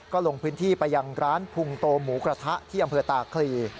ก็ลงพื้นที่ไปยังร้านพุงโตหมูกระทะที่อำเภอตาคลี